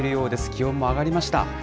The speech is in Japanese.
気温も上がりました。